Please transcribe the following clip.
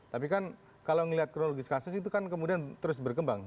tapi kan kalau melihat kronologis kasus itu kan kemudian terus berkembang